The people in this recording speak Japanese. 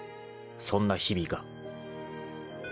［そんな日々が］